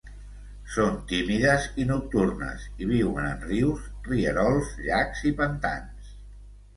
Són tímides i nocturnes, i viuen en rius, rierols, llacs i pantans.